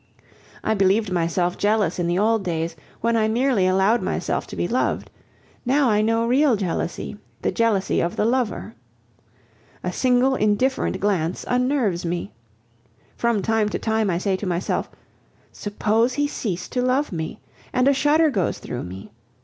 I believed myself jealous in the old days, when I merely allowed myself to be loved; now I know real jealousy, the jealousy of the lover. A single indifferent glance unnerves me. From time to time I say to myself, "Suppose he ceased to love me!" And a shudder goes through me.